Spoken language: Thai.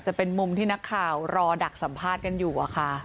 จะเป็นมุมที่นักข่าวรอดักสัมภาษณ์กันอยู่อะค่ะ